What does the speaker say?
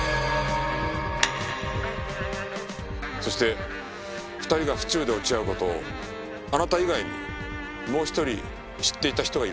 そして２人が府中で落ち合う事をあなた以外にもう一人知っていた人がいるはずですね。